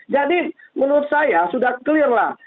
jadi menurut saya sudah clear lah